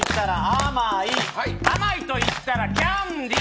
甘いと言ったらキャンディー。